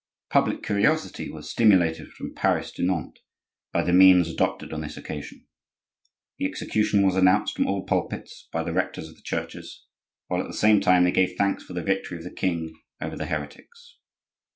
Public curiosity was stimulated from Paris to Nantes by the means adopted on this occasion. The execution was announced from all pulpits by the rectors of the churches, while at the same time they gave thanks for the victory of the king over the heretics.